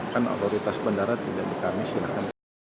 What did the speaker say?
kan autoritas bendara tidak di kami silahkan